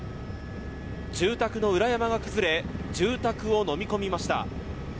住宅の裏山が崩れ住宅をのみ込みました。